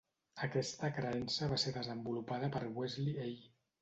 Aquesta creença va ser desenvolupada per Wesley A.